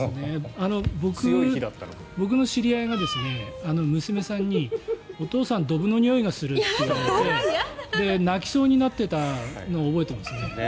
僕の知り合いが、娘さんにお父さん、どぶのにおいがするって言われて泣きそうになっていたの覚えていますね。